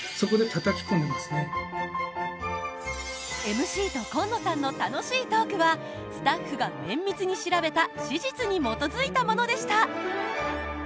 ＭＣと今野さんの楽しいトークはスタッフが綿密に調べた史実に基づいたものでした。